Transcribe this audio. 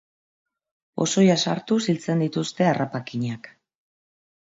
Pozoia sartuz hiltzen dituzte harrapakinak.